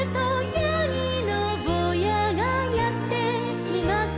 「やぎのぼうやがやってきます」